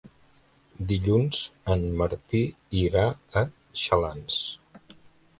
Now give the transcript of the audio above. Dilluns en Martí irà a Xalans.